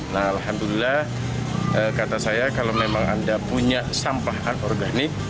nah alhamdulillah kata saya kalau memang anda punya sampah anorganik